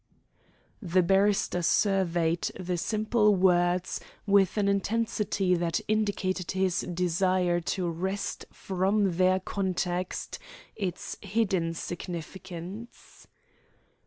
The barrister surveyed the simple words with an intensity that indicated his desire to wrest from their context its hidden significance.